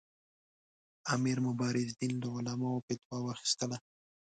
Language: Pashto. امیر مبارزالدین له علماوو فتوا واخیستله.